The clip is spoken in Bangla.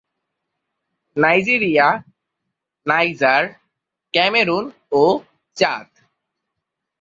নাইজেরিয়া, নাইজার, ক্যামেরুন ও চাদ।